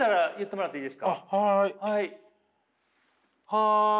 はい。